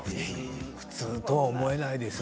普通とは思えないですよ。